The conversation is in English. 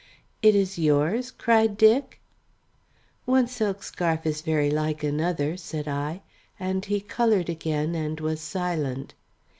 "It is yours?" cried Dick. "One silk scarf is very like another," said I, and he coloured again and was silent.